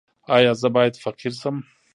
ایا زه باید فقیر شم؟